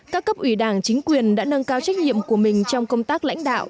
các cấp ủy đảng chính quyền đã nâng cao trách nhiệm của mình trong công tác lãnh đạo